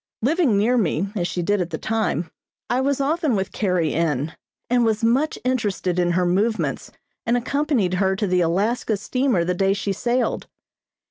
Living near me, as she did at the time, I was often with Carrie N. and was much interested in her movements and accompanied her to the Alaska steamer the day she sailed.